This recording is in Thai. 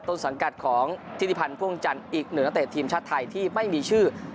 ต้นสังกัดของธิติพันธ์พ่วงจันทร์อีกหนึ่งนักเตะทีมชาติไทยที่ไม่มีชื่อ